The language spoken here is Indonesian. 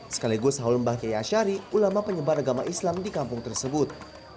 sekaligus haul mbah kiai asyari ulama penyebar agama islam di kampung tersebut